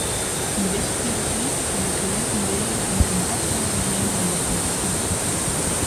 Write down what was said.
Yn dizze terapy kinne kliïnten leare om kontakt oan te gean mei lotgenoaten.